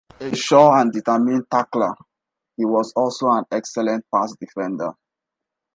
A sure and determined tackler, he was also an excellent pass defender.